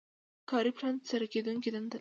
کاري پلان ترسره کیدونکې دندې لري.